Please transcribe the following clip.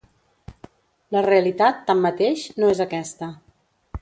La realitat, tanmateix, no és aquesta.